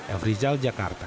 elf rizal jakarta